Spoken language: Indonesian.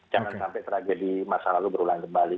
jangan sampai tragedi masalah itu berulang kembali